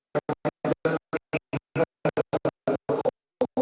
ya kalau di banjir masih ketemu